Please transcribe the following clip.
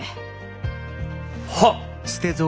はっ。